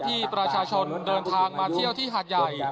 ที่ประชาชนเดินทางมาเที่ยวที่หาดใหญ่